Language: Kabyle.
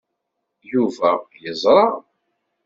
Yuba yeẓṛa.